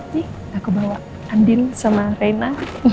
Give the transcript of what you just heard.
nih aku bawa andin sama reina